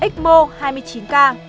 x mô hai mươi chín ca